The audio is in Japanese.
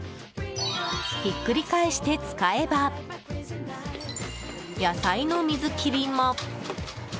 ひっくり返して使えば野菜の水切りも。